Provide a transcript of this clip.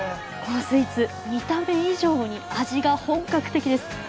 このスイーツ見た目以上に味が本格的です。